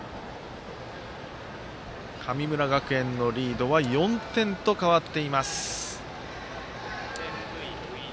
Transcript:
神村学園のリードは４点と変わっています。